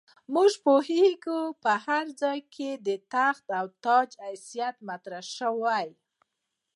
موږ پوهېږو هر ځای چې د تخت او تاج حیثیت مطرح شوی.